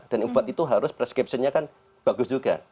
dan obat itu harus preskripsinya kan bagus juga